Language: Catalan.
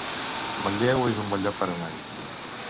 Manlleu es un bon lloc per anar-hi